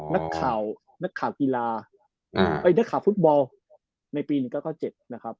นักข่าวนักข่าวฟุตบอลในปีหนึ่งก็ก็เจ็บนะครับ